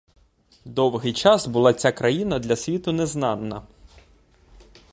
Довгий час була ця країна для світу незнана.